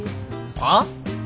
はっ？